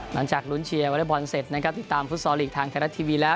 หลังจากลุ้นเชียร์วอเล็กบอลเสร็จนะครับติดตามฟุตซอลลีกทางไทยรัฐทีวีแล้ว